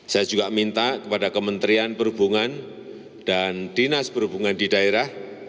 saya juga minta kepada kementerian perhubungan dan dinas perhubungan di daerah